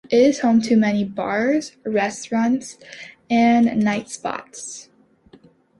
It is home to many bars, restaurants, and night spots.